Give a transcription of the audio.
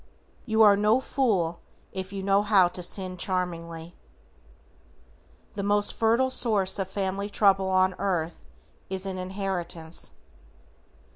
You are no fool if you know how to sin charmingly. The most fertile source of family trouble on earth is an inheritance.